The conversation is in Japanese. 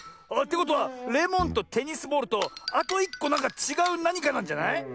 あってことはレモンとテニスボールとあと１こなんかちがうなにかなんじゃない？